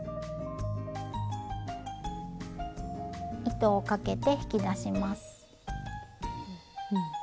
糸をかけて引き出します。